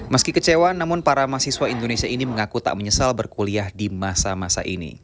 meski kecewa namun para mahasiswa indonesia ini mengaku tak menyesal berkuliah di masa masa ini